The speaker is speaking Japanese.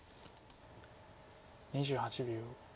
２８秒。